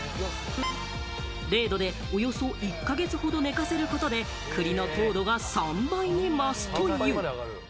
０度でおよそ１か月ほど寝かせることで栗の糖度が３倍に増すという。